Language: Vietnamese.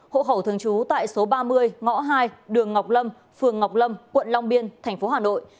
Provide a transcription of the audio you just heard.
hộ khẩu thường trú tại số ba mươi ngõ hai đường ngọc lâm phường ngọc lâm quận long biên thành phố hà nội